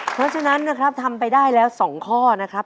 เพราะฉะนั้นนะครับทำไปได้แล้ว๒ข้อนะครับ